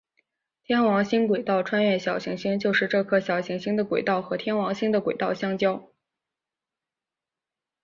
天王星轨道穿越小行星就是这颗小行星的轨道和天王星的轨道相交。